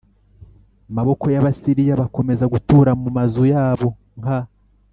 maboko y Abasiriya bakomeza gutura mu mazu yabo nka